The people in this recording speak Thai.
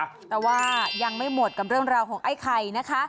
แต่ว่ายังไม่หมดกับเรื่องราวของไอ้ไข่นะคะ